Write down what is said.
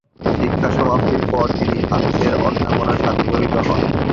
শিক্ষা সমাপ্তির পর তিনি হাদিসের অধ্যাপনার সাথে জড়িত হন।